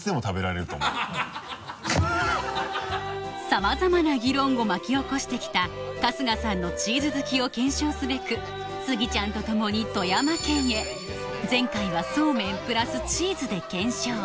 さまざまな議論を巻き起こしてきた春日さんのチーズ好きを検証すべくスギちゃんと共に富山県へ前回はそうめん＋チーズで検証